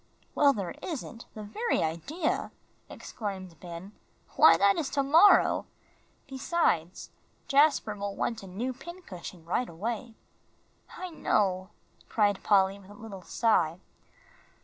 "Well, there isn't. The very idea!" exclaimed Ben; "why, that is to morrow. Besides, Jasper will want a new pincushion right away." "I know," cried Polly, with a little sigh.